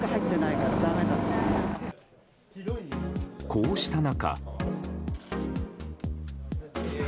こうした中。